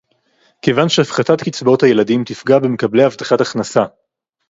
כיוון שהפחתת קצבאות הילדים תפגע במקבלי הבטחת הכנסה